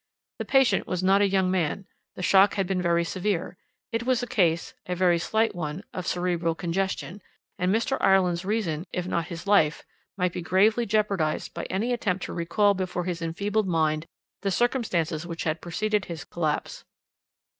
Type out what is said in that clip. The patient was not a young man; the shock had been very severe it was a case, a very slight one, of cerebral congestion and Mr. Ireland's reason, if not his life, might be gravely jeopardised by any attempt to recall before his enfeebled mind the circumstances which had preceded his collapse.